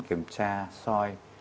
kiểm tra soi